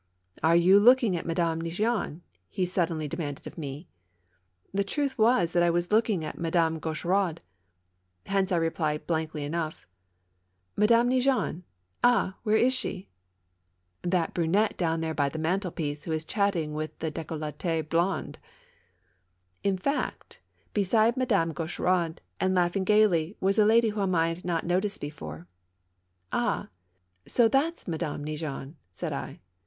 " Are you looking at Madame Neigeon? " he suddenly demanded of me. The truth was that I was looking at Madame Gauch eraud. Hence I replied, blankly enough :" Madame Neigeon I Ah ! where is she ?"" That brunette down there by the mantelpiece, who is chatting with a ddcolletee blonde." In fact, beside Madame Gaucheraud, and laughing gayly, was a lady whom I had not before noticed. "Ah! so that's Madame Neigeon, so that's Madame Neigeon I " said I.